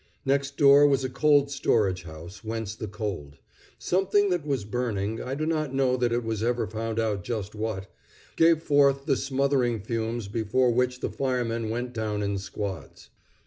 Next door was a cold storage house, whence the cold. Something that was burning I do not know that it was ever found out just what gave forth the smothering fumes before which the firemen went down in squads.